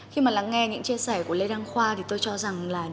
khi mà lắng nghe những chia sẻ của lê đăng khoa thì tôi cho rằng là